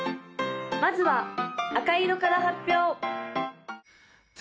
まずは赤色から発表！